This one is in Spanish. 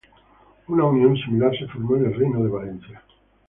Una unión similar se formó en el reino de Valencia.